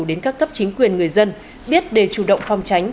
đến các cấp chính quyền người dân biết để chủ động phòng tránh